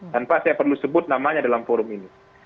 tanpa saya perlu sebut namanya dalam forum ini